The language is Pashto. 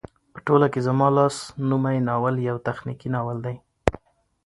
په ټوله کې زما لاس نومی ناول يو تخنيکي ناول دى